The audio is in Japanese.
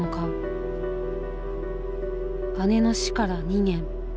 姉の死から２年。